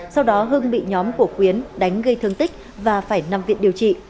sau đó hưng bị nhóm của khuyến đánh gây thương tích và phải nằm viện điều trị